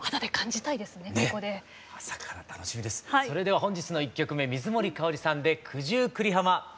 それでは本日の１曲目水森かおりさんで「九十九里浜」。